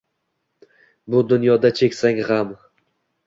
Bu dunyoda cheksang g’am».